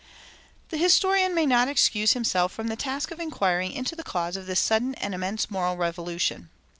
[278:2] The historian may not excuse himself from the task of inquiring into the cause of this sudden and immense moral revolution.